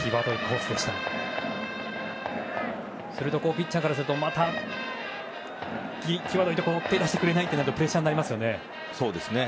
ピッチャーからすると際どいところに手を出してくれないとなるとプレッシャーになりますよね。